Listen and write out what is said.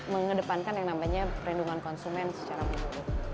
mengedepankan yang namanya perlindungan konsumen secara menyeluruh